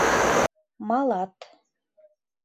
Малат.